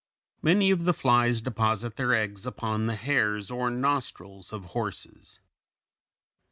Many of the flies deposit their eggs upon the hairs or nostrils of horses.